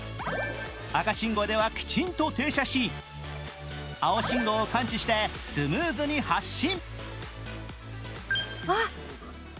赤信号ではきちんと停車し青信号を感知してスムーズに発進。